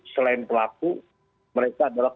selain pelaku mereka adalah